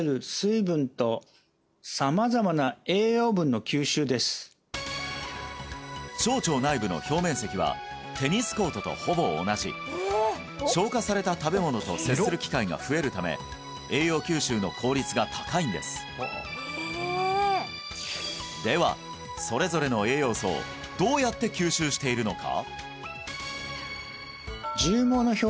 ほおでは小腸にある小腸内部の表面積はテニスコートとほぼ同じ消化された食べ物と接する機会が増えるため栄養吸収の効率が高いんですではそれぞれの栄養素をどうやって吸収しているのか？